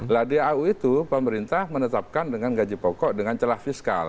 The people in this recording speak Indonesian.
nah dau itu pemerintah menetapkan dengan gaji pokok dengan celah fiskal